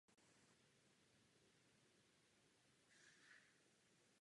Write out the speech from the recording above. Firma Opel byla před druhou světovou válkou největším německým producentem nákladních automobilů.